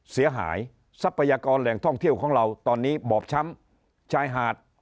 เสียหายทรัพยากรแหล่งท่องเที่ยวของเราตอนนี้บอบช้ำชายหาด